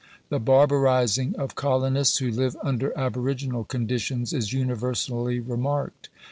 The barbarizing of colonists, who live under aboriginal conditions, is universally remarked.